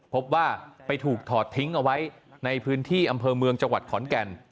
พบว่าไปถูกถอดทิ้งเอาไว้ในพื้นที่อำเภอเมืองจังหวัดขอนแก่น